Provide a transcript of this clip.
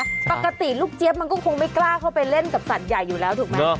ปกติลูกเจี๊ยบมันก็คงไม่กล้าเข้าไปเล่นกับสัตว์ใหญ่อยู่แล้วถูกไหม